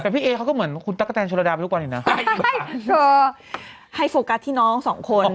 แต่พี่เอเขาก็เหมือนคุณตั๊กกะแทนชัวรดาไปดูก่อนเนี่ยนะให้โฟกัสที่น้องสองคน